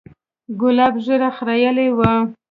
ګلاب ږيره خرييلې وه.